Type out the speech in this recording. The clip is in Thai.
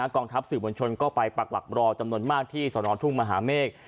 กองทัพสื่อมวลชนก็ไปปักหลักรอจำนวนมากที่สนทุ่งมหาเมฆ